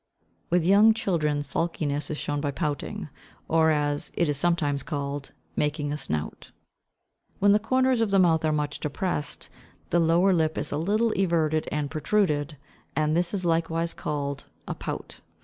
With young children sulkiness is shown by pouting, or, as it is sometimes called, "making a snout." When the corners of the mouth are much depressed, the lower lip is a little everted and protruded; and this is likewise called a pout.